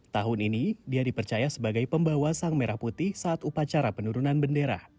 tahun ini dia dipercaya sebagai pembawa sang merah putih saat upacara penurunan bendera